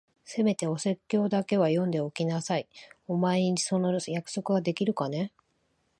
せめてお説教だけは読んでおきなさい。お前にその約束ができるかね？